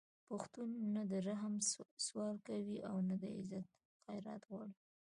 پښتون نه د رحم سوال کوي او نه د عزت خیرات غواړي